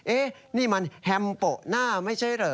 นี่มันแฮมโปะหน้าไม่ใช่เหรอ